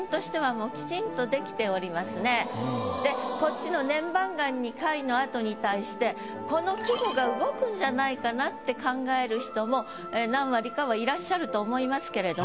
これは。でこっちの「粘板岩に貝の跡」に対してこの季語が動くんじゃないかなって考える人も何割かはいらっしゃると思いますけれども。